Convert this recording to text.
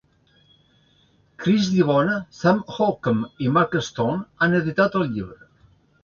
Chris DiBona, Sam Ockman i Mark Stone han editat el llibre.